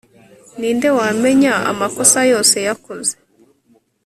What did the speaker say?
ni nde wamenya amakosa yose yakoze